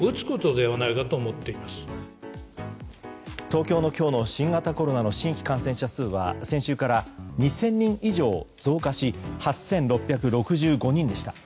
東京の今日の新型コロナの新規感染者数は先週から２０００人以上増加し８６６５人でした。